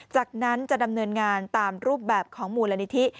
จากนั้นจะดำเนินงานตามรูปแบบของมูลนิธิ